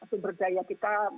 sumber daya kita